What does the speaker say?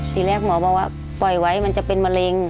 ทีแรกหมอบอกว่าปล่อยไว้มันจะเป็นมะเร็ง